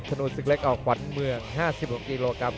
โนนศึกเล็กออกขวัญเมือง๕๖กิโลกรัม